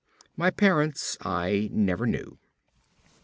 My parents I never knew.